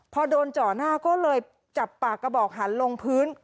พอโดนเจาะหน้าก็เลยจับปากกระบอกหันลงพื้น